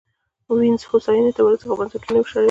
وینز هوساینې ته ورسېد خو بنسټونه یې وشړېدل